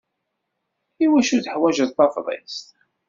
I wacu i teḥwaǧeḍ Tafḍist?